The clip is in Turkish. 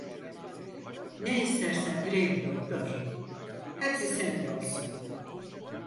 Ne istersen vireyim doktor. Hepsi senin olsun…